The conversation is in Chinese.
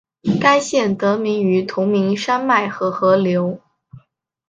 该县得名于同名山脉和河流。